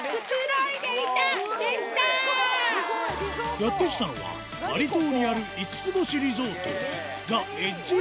やって来たのはバリ島にある５つ星リゾート